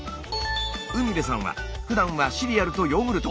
海辺さんはふだんはシリアルとヨーグルト。